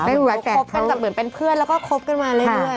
เหมือนเป็นเพื่อนแล้วก็คบกันมาเรื่อย